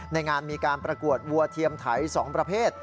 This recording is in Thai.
ในงานมีการประกวดวัวเทียมไถ๒ประเภท